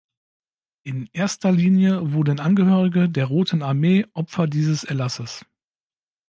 In erster Linie wurden Angehörige der Roten Armee Opfer dieses Erlasses.